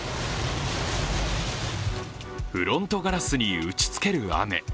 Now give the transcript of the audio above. フロントガラスに打ちつける雨。